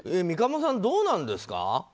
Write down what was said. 三鴨さん、どうなんですか？